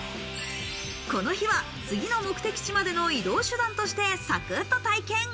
この日は次の目的地までの移動手段として、さくっと体験。